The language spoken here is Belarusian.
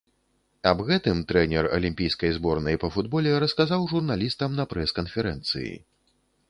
Аб гэтым трэнер алімпійскай зборнай па футболе расказаў журналістам на прэс-канферэнцыі.